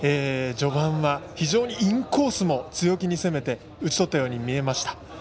序盤は非常にインコースも強気に攻めて打ち取ったと見えました。